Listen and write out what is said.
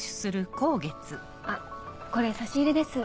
あっこれ差し入れです。